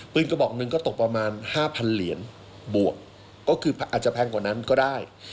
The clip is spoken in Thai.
กระบอกหนึ่งก็ตกประมาณ๕๐๐เหรียญบวกก็คืออาจจะแพงกว่านั้นก็ได้